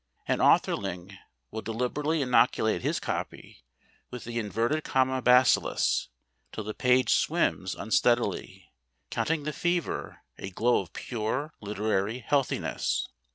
An authorling will deliberately inoculate his copy with the inverted comma bacillus, till the page swims unsteadily, counting the fever a glow of pure literary healthiness.